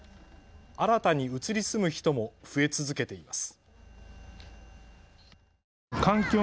新たに移り住む人も増え続けています。